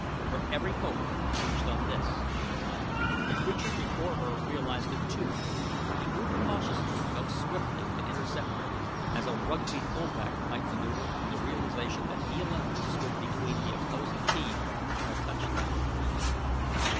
Her every hope hinged on this. The creature before her realized it, too, for he moved cautiously, though swiftly, to intercept her, as a Rugby fullback might maneuver in the realization that he alone stood between the opposing team and a touchdown.